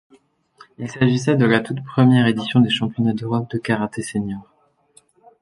Il s'agissait de la toute première édition des championnats d'Europe de karaté senior.